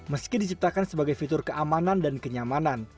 meski diciptakan sebagai fitur keamanan dan kenyamanan